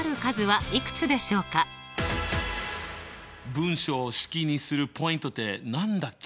文章を式にするポイントって何だっけ？